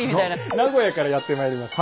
名古屋からやってまいりました